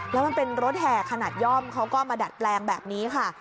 แล้วมันเป็นรถแห่ขนาดย่อมเขาก็มาดัดแปลงแบบนี้ค่ะ